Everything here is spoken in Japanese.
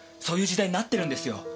そういう時代になってるんですよ。